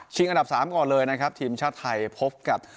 อันดับ๓ก่อนเลยนะครับทีมชาติไทยพบกับ